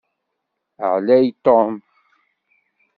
Ɛlay Tom.